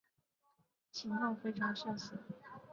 这和现代汉语普通话的情况非常类似。